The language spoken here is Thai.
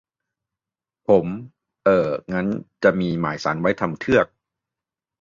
ผม : เอ่อ งั้นจะมีหมายศาลไว้ทำเทือก